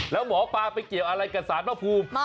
แล้วหมอปลาไปเกี่ยวอะไรกับสารพระภูมิ